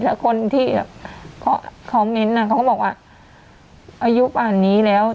แล้วคนที่อ่ะเขาเขาบอกว่าอายุป่านนี้แล้ว